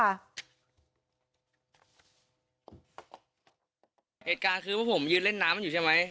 เหตุการณ์คือพวกผมยืนเล่นน้ำอยู่ใช่ไหม